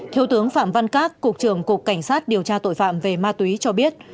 thiếu tướng phạm văn cát cục trưởng cục cảnh sát điều tra tội phạm về ma túy cho biết